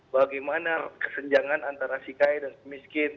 bagaimana kesenjangan antara sikai dan miskin